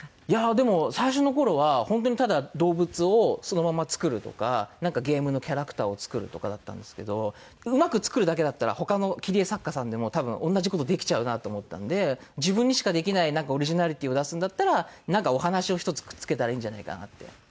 いやでも最初の頃は本当にただ動物をそのまま作るとかなんかゲームのキャラクターを作るとかだったんですけどうまく作るだけだったら他の切り絵作家さんでも多分同じ事できちゃうなって思ったんで自分にしかできないオリジナリティーを出すんだったらなんかお話を１つくっつけたらいいんじゃないかなって。